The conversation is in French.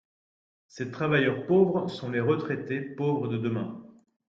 Ces travailleurs pauvres sont les retraités pauvres de demain.